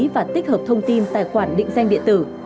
và tích hợp thông tin tài khoản định danh điện tử